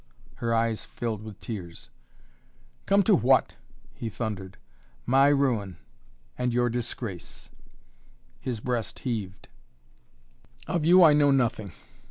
Her eyes filled with tears. "Come to what?" he thundered. "My ruin and your disgrace!" His breast heaved. "Of you I know nothing.